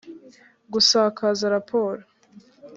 gusakaza raporo